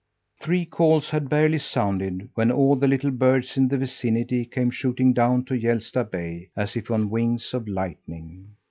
Three calls had barely sounded when all the little birds in the vicinity came shooting down to Hjälsta Bay, as if on wings of lightning.